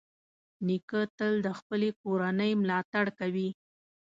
نیکه تل د خپلې کورنۍ ملاتړ کوي.